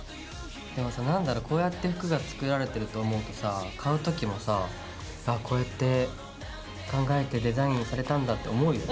でもさ何だろうこうやって服が作られてると思うとさ買う時もさあっこうやって考えてデザインされたんだって思うよね。